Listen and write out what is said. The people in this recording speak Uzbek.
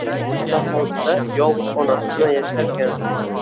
Bitta hovlida yolg`iz onasi bilan yasharkan